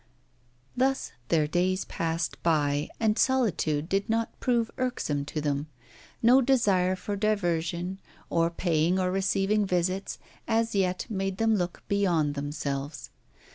Thus their days passed by and solitude did not prove irksome to them. No desire for diversion, of paying or receiving visits, as yet made them look beyond themselves.